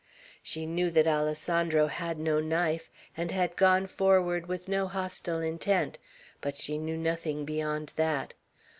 She knew that Alessandro had no knife, and had gone forward with no hostile intent; but she knew nothing beyond that.